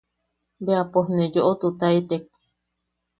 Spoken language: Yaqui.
Bea pos ne yoʼotutaitek.